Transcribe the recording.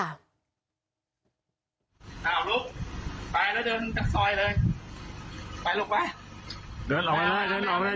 อ้าวลุกไปแล้วเดินจากซอยเลยไปลงไปเดินออกไปเลยเดินออกไป